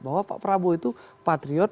bahwa pak prabowo itu patriot